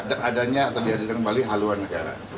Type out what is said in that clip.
adanya terjadi kembali haluan negara